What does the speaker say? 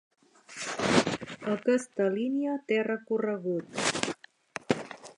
Aquesta línia té recorregut.